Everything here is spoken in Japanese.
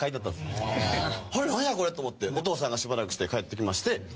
「『あれ？何やこれ？』と思ってお父さんがしばらくして帰ってきまして」